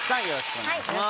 お願いします。